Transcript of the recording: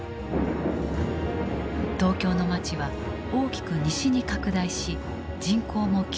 東京の街は大きく西に拡大し人口も急増。